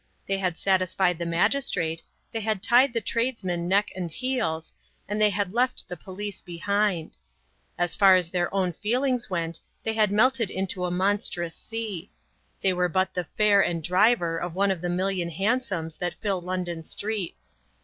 They had satisfied the magistrate, they had tied the tradesman neck and heels, and they had left the police behind. As far as their own feelings went they had melted into a monstrous sea; they were but the fare and driver of one of the million hansoms that fill London streets.